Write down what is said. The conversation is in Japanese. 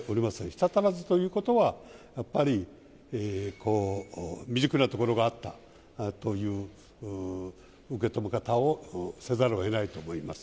舌足らずということは、やっぱり未熟なところがあったという受け止め方をせざるをえないと思います。